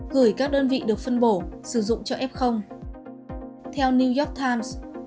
gửi các đơn vị được phân bổ sử dụng cho f theo new york times